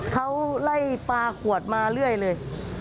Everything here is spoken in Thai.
เขาไล่ปลาขวดมาเรื่อยเลย